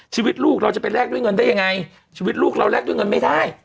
ชีวิตลูกเราจะไปแลกด้วยเงินได้ยังไงชีวิตลูกเราแลกด้วยเงินไม่ได้